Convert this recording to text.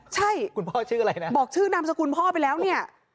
ใช่บอกชื่อนามสกุลพ่อไปแล้วเนี่ย